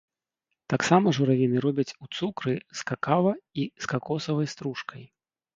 Таксама журавіны робяць у цукры з какава і з какосавай стружкай.